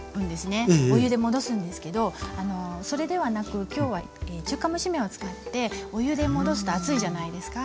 お湯で戻すんですけどそれではなく今日は中華蒸し麺を使ってお湯で戻すと暑いじゃないですか。